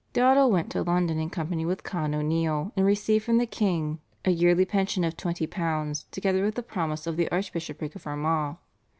Dowdall went to London, in company with Con O'Neill, and received from the king a yearly pension of £20 together with the promise of the Archbishopric of Armagh.